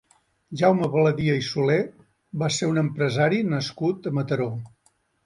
Jaume Baladia i Soler va ser un empresari nascut a Mataró.